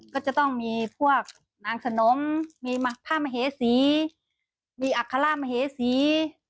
ก็จะต้องมีพวกนางขนมมีผ้ามเหสีมีอัคร่ามเหสี